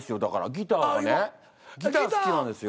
ギター好きなんですよ。